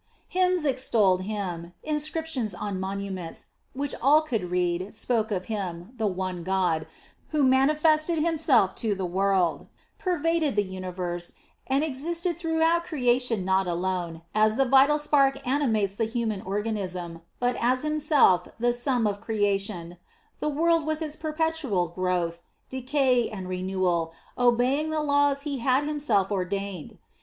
Hymns extolled him, inscriptions on the monuments, which all could read, spoke of him, the one God, who manifested himself to the world, pervaded the universe, and existed throughout creation not alone as the vital spark animates the human organism, but as himself the sum of creation, the world with its perpetual growth, decay, and renewal, obeying the laws he had himself ordained.